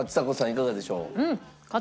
いかがでしょう？